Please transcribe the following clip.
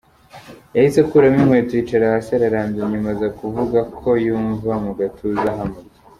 Yahise akuramo inkweto, yicara hasi ararambya, nyuma aza kuvuga ko yumva mu gatuza hamurya.